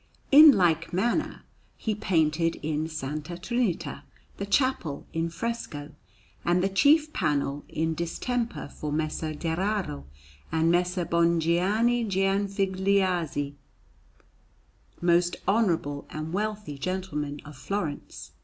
In like manner, he painted in S. Trinita the chapel in fresco and the chief panel in distemper, for Messer Gherardo and Messer Bongianni Gianfigliazzi, most honourable and wealthy gentlemen of Florence.